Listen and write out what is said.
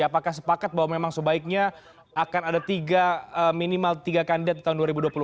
apakah sepakat bahwa memang sebaiknya akan ada tiga minimal tiga kandidat di tahun dua ribu dua puluh empat